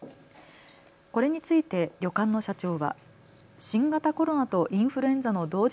これについて旅館の社長は新型コロナとインフルエンザの同時